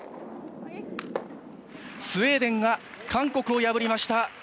スウェーデンが韓国を破りました。